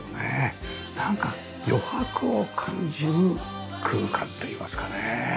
なんか余白を感じる空間といいますかね。